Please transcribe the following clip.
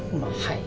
はい。